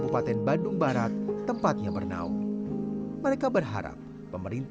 lampu doang lampu sama tv satu radio dua